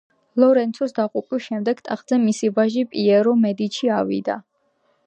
ლორენცოს დაღუპვის შემდეგ, ტახტზე მისი ვაჟი პიერო მედიჩი ავიდა.